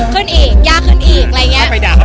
ขึ้นอีกยากขึ้นอีก